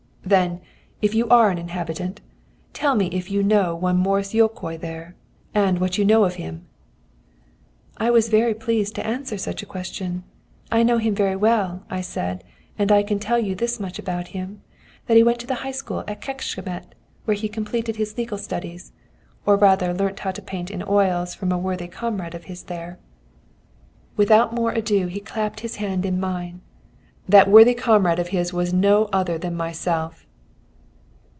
"'Then, if you are an inhabitant, tell me if you know one Maurus Jókai there and what you know of him?' "I was very pleased to answer such a question. 'I know him very well,' I said, 'and I can tell you this much about him, that he went to the High School at Kecskemet, where he completed his legal studies or rather learnt how to paint in oils from a worthy comrade of his there.' "Without more ado he clapped his hand in mine: 'That worthy comrade of his was no other than myself.'